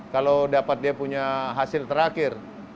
kalau dapat dia punya hasil terakhir